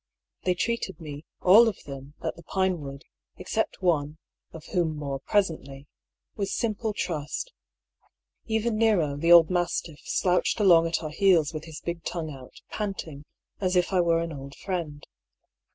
They treated me, all of them, at the Pinewood, except one, of whom more presently, with simple trust ; even Nero, the old mastiff, slouched along at our heels with his big tongue out, panting, as if I were an old friend.